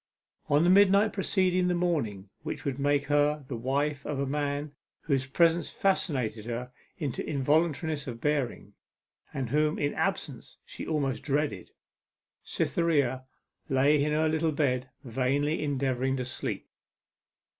On the midnight preceding the morning which would make her the wife of a man whose presence fascinated her into involuntariness of bearing, and whom in absence she almost dreaded, Cytherea lay in her little bed, vainly endeavouring to sleep.